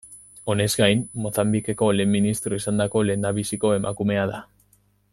Horrez gain, Mozambikeko lehen ministro izandako lehendabiziko emakumea da.